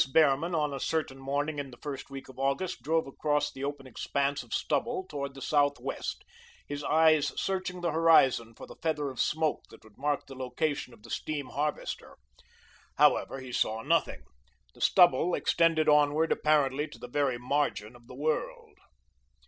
Behrman on a certain morning in the first week of August drove across the open expanse of stubble toward the southwest, his eyes searching the horizon for the feather of smoke that would mark the location of the steam harvester. However, he saw nothing. The stubble extended onward apparently to the very margin of the world.